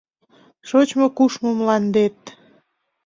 Шочмо-кушмо мландет